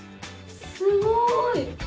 すごい！